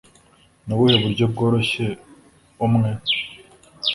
Ni ubuhe buryo bworoshye umwe